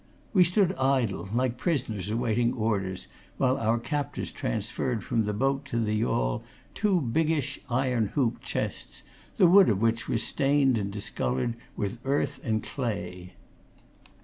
We stood idle, like prisoners awaiting orders, while our captors transferred from the boat to the yawl two biggish, iron hooped chests, the wood of which was stained and discoloured with earth and clay.